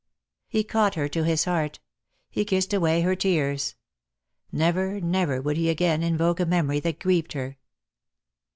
He caught her to his heart. He kissed away her tears. Never, never would he again invoke a memory that grieved her.